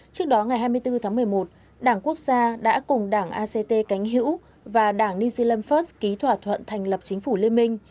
trước đó ngày hai mươi bốn tháng một mươi một đảng quốc gia đã cùng đảng act cánh hữu và đảng new zealand first ký thỏa thuận thành lập chính phủ liên minh